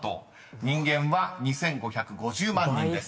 ［人間は２，５５０万人です］